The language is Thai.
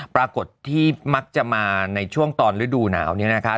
ปรากฏที่มักจะมาในช่วงตอนฤดูหนาวนี้นะคะ